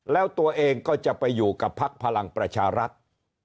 แล้วตัวเองก็จะไปอยู่กับพักพลังประชารัฐ